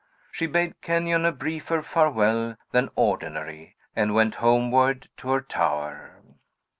She bade Kenyon a briefer farewell than ordinary, and went homeward to her tower.